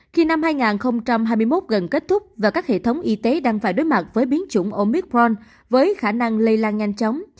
khi năm hai nghìn hai mươi một gần kết thúc và các hệ thống y tế đang phải đối mặt với biến chủng omicron với khả năng lây lan nhanh chóng